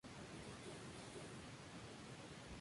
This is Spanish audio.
No obstante, sospechaban de Juan Antonio Morán y su grupo.